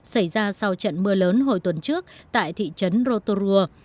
xảy ra sau trận mưa lớn hồi tuần trước tại thị trấn rotorua